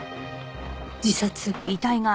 自殺？